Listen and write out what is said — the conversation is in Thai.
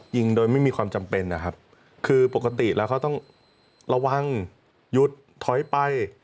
ยิงโดยไม่มีความจำเป็นนะครับคือปกติแล้วเขาต้องระวังหยุดถอยไป